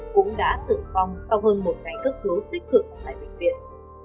cũng đã tự phong sau hơn một ngày cấp cứu tích cực tại bệnh viện